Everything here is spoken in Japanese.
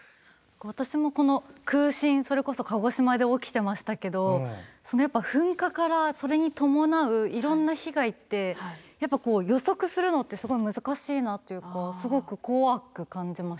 私もこの空振それこそ鹿児島で起きてましたけど噴火からそれに伴ういろんな被害ってやっぱこう予測するのってすごい難しいなというかすごく怖く感じましたね。